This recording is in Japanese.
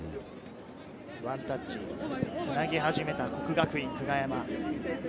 ワンタッチ、つなぎ始めた國學院久我山。